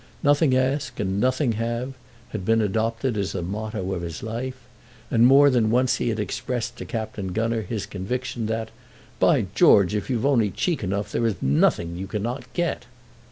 "Nothing ask and nothing have," had been adopted as the motto of his life, and more than once he had expressed to Captain Gunner his conviction that, "By George, if you've only cheek enough, there is nothing you cannot get."